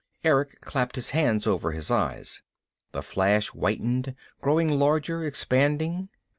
Erick clapped his hands over his eyes. The flash whitened, growing larger, expanding.